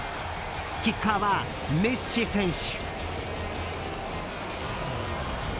キッカーはメッシ選手。